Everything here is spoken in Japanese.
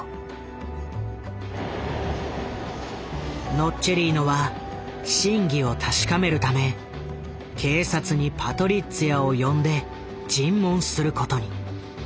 ノッチェリーノは真偽を確かめるため警察にパトリッツィアを呼んで尋問することに。